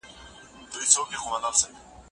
که ته څېړنه کوې نو له خپل استاد سره مشوره وکړه.